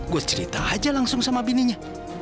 gue cerita aja langsung sama bininya